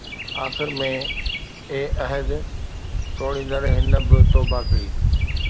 آخر ۾، اي عهد ٽوڙيندڙ، هن به توبه ڪئي